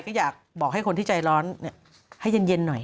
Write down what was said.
ก็อยากบอกให้คนที่ใจร้อนให้เย็นหน่อย